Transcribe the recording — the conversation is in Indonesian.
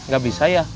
gak bisa ya